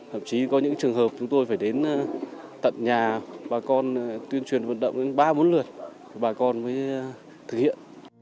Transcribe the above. thậm chí có những trường hợp chúng tôi phải đến tận nhà bà con tuyên truyền vận động đến ba bốn lượt bà con mới thực hiện